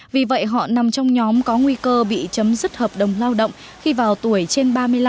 vì vậy họ nằm trong nhóm có nguy cơ bị chấm dứt hợp đồng lao động khi vào tuổi trên ba mươi năm